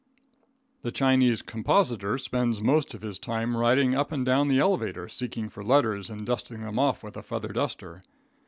The Chinese compositor spends most of his time riding up and down the elevator, seeking for letters and dusting them off with a feather duster.